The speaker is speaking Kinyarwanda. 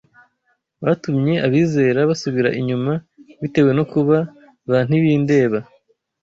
Batumye abizera basubira inyuma bitewe no kuba ba ntibindeba